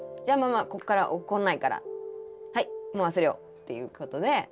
じゃあママこっから怒んないからはいもう忘れようっていうことで。